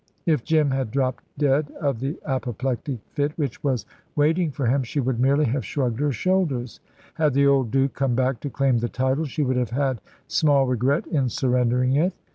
If Jim had dropped dead of the apoplectic fit which was waiting for him, she would merely have shrugged her shoulders; had the old Duke come back to claim the title, she would have had small regret in surrendering it.